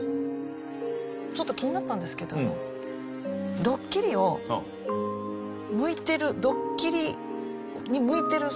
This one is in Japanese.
ちょっと気になったんですけどドッキリを向いてるドッキリに向いてる。